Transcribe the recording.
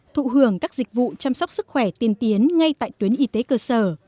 thụ hưởng các dịch vụ chăm sóc sức khỏe tiên tiến ngay tại tuyến y tế cơ sở